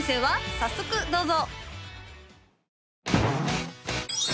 早速どうぞ！